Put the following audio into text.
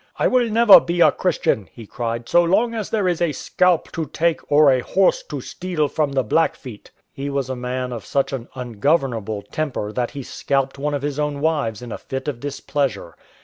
" I will never be a Christian,'''* he cried, " so long as there is a scalp to take or a horse to steal from the Blackfeet.'*'' He was a man of such an ungovernable temper that he scalped one of his own wives in a fit of displeasure.